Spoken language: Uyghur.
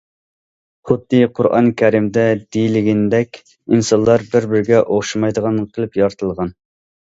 خۇددى قۇرئان كەرىمدە دېيىلگىنىدەك، ئىنسانلار بىر- بىرىگە ئوخشىمايدىغان قىلىپ يارىتىلغان.